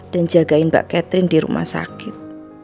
dan jagain mbak catherine di rumah sakit